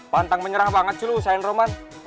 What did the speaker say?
pantang menyerang banget sih lo usahain roman